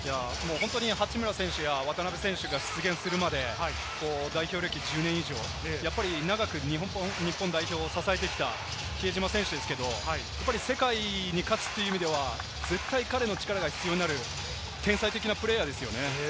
八村選手や渡邊選手が出現するまで代表歴１０年以上、長く日本代表を支えてきた比江島選手ですけれども、世界に勝つという意味では絶対彼の力が必要になる、天才的なプレーヤーですよね。